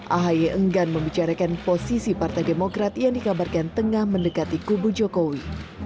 ahy enggan membicarakan posisi partai demokrat yang dikabarkan tengah mendekati kubu jokowi